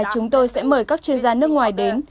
chúng tôi sẽ mời các chuyên gia nước ngoài đến